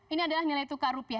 ini adalah nilai tukar rupiah